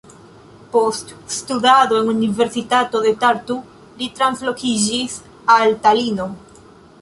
Post studado en Universitato de Tartu li transloĝiĝis al Talino.